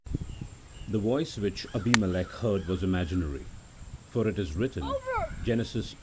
The voice which Abimelech heard was imaginary, for it is written, Gen. xx.